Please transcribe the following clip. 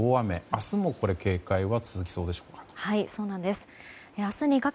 明日も警戒は続きそうでしょうか。